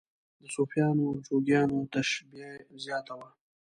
د صوفیانو او جوګیانو تشبیه زیاته وه.